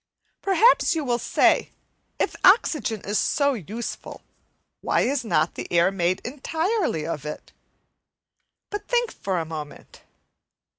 Perhaps you will say, If oxygen is so useful, why is not the air made entirely of it? But think for a moment.